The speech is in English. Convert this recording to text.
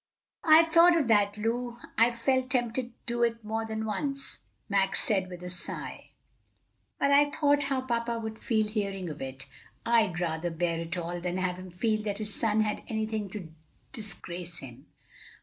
"I've thought of that, Lu; I've felt tempted to do it more than once," Max said with a sigh; "but I thought how papa would feel hearing of it. I'd rather bear it all than have him feel that his son had done anything to disgrace him."